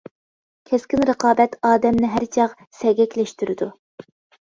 كەسكىن رىقابەت ئادەمنى ھەر چاغ سەگەكلەشتۈرىدۇ.